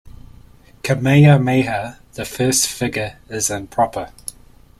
Kamehameha the First's figure is in proper.